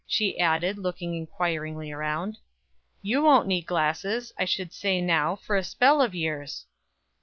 she added, looking inquiringly around. "You won't need glasses, I should say now, for a spell of years!"